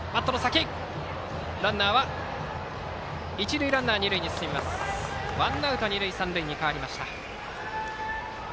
一塁ランナーが二塁に進んでワンアウト二塁三塁に変わりました。